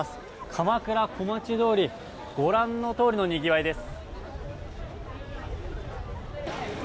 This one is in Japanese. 鎌倉小町通りご覧のとおりのにぎわいです。